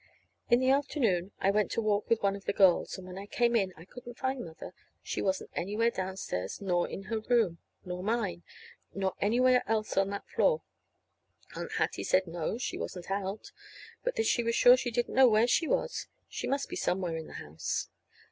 In the afternoon I went to walk with one of the girls; and when I came in I couldn't find Mother. She wasn't anywhere downstairs, nor in her room, nor mine, nor anywhere else on that floor. Aunt Hattie said no, she wasn't out, but that she was sure she didn't know where she was. She must be somewhere in the house.